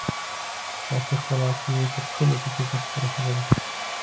سیاسي خپلواکي یې تر ټولو ټیټې کچې ته رسېدلې.